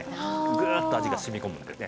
グーッと味が染み込むのでね